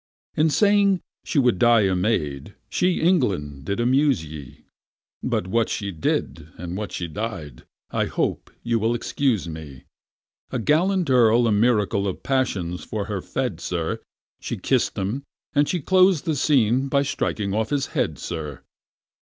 In saying she would die a maid, she, England! did amuse ye. But what she did, and what she died—I hope you will excuse me: A gallant Earl a miracle of passion for her fed, sir; She kiss'd him, and she clos'd the scene by striking off his head, sir!